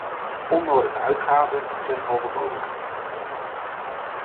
Onnodige uitgaven zijn overbodig.